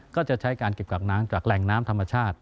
ก็จะใช้การเก็บกักน้ำจากแหล่งน้ำธรรมชาติ